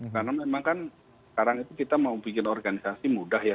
karena memang kan sekarang itu kita mau bikin organisasi mudah ya